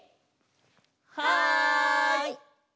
はい！